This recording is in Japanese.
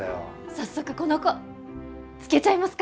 早速この子つけちゃいますか？